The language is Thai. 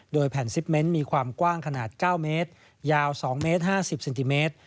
โดยแผ่นซิปเมนต์มีความกว้างขนาด๙เมตรยาว๒เมตร๕๐เซนติเมตร